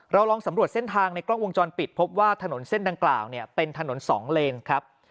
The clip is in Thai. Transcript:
ลองสำรวจเส้นทางในกล้องวงจรปิดพบว่าถนนเส้นดังกล่าวเนี่ยเป็นถนนสองเลนครับ